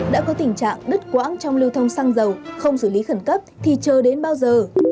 đã có tình trạng đứt quãng trong lưu thông xăng dầu không xử lý khẩn cấp thì chờ đến bao giờ